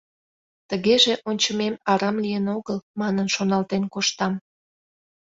Тыгеже ончымем арам лийын огыл манын шоналтен коштам.